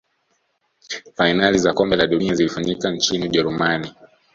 fainali za kombe la dunia zilifanyika nchini ujerumani